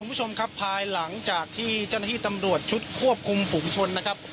คุณผู้ชมครับภายหลังจากที่เจ้าหน้าที่ตำรวจชุดควบคุมฝุงชนนะครับ